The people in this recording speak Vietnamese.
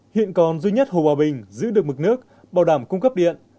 hiện còn duy nhất hồ hòa bình giữ được mực nước bảo đảm cung cấp điện